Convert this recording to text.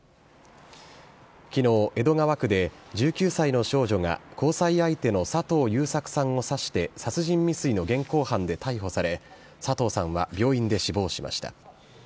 きのう、江戸川区で１９歳の少女が、交際相手の佐藤優作さんを刺して、殺人未遂の現行犯で逮捕され、佐藤さんは病院で死亡しました。